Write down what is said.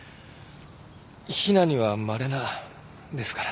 鄙にはまれなですから。